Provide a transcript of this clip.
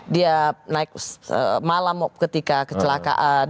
dia naik malam ketika kecelakaan